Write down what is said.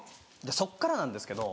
そっからなんですけど。